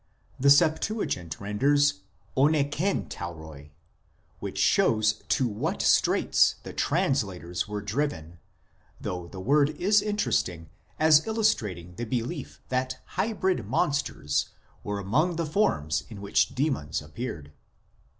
The Septuagint renders ovo/cevravpoi, which shows to what straits the translators were driven, though the word is interesting as illustrating the belief that hybrid monsters were among the forms in which demons appeared.